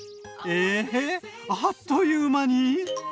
ええっあっという間に！